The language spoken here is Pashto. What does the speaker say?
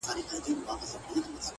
جواب يې راکړ د خپلوۍ خبره ورانه سوله,